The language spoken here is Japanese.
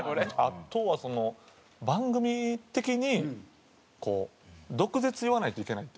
あとはその番組的にこう毒舌言わないといけないっていうか。